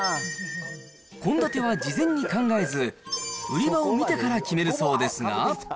献立は事前に考えず、売り場をみてから決めるそうですが。